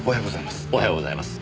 おはようございます。